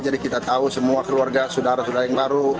jadi kita tahu semua keluarga saudara saudara yang baru